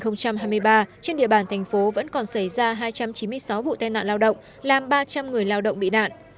năm hai nghìn hai mươi ba trên địa bàn thành phố vẫn còn xảy ra hai trăm chín mươi sáu vụ tai nạn lao động làm ba trăm linh người lao động bị nạn